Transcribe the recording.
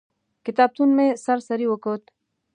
کتابتون مې سر سري وکت.